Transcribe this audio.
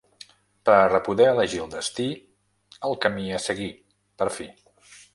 Per a poder elegir el destí, el camí a seguir, per fi!